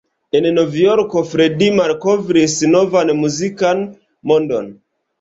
En Novjorko Freddie malkovris novan muzikan mondon.